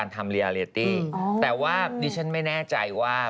เป็นบัสดีมากครับ